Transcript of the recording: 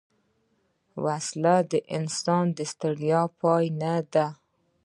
وسله د انسان د ستړیا پای نه ده